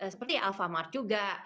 seperti alfamart juga